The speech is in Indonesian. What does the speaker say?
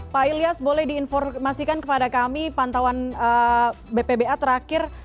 pak ilyas boleh diinformasikan kepada kami pantauan bpba terakhir